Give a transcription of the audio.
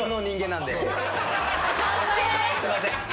すみません。